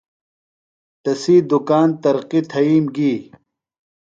تسی دُکان ترقیۡ تھئیم گی۔